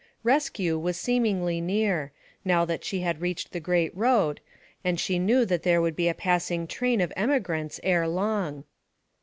Rescue was seemingly near, now that she had reached the great road, and she knew that there would be a passing train of emigrants ere long.